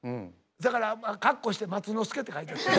だから括弧して「松之助」って書いといて。